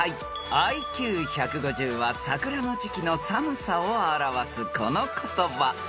［ＩＱ１５０は桜の時季の寒さを表すこの言葉］